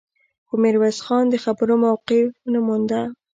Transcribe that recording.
خو ميرويس خان د خبرو موقع ونه مونده.